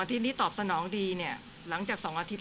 อาทิตย์ที่นอกคั่วเราเนี่ยหลังจาก๒อาทิตย์